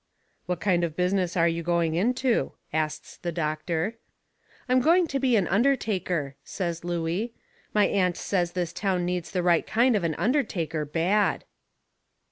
"What kind of business are you going into?" asts the doctor. "I am going to be an undertaker," says Looey. "My aunt says this town needs the right kind of an undertaker bad."